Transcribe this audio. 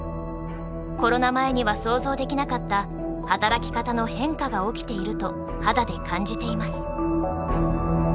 コロナ前には想像できなかった働き方の変化が起きていると肌で感じています。